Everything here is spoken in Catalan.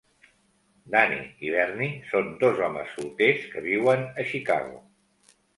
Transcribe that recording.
Danny i Bernie són dos homes solters que viuen a Chicago.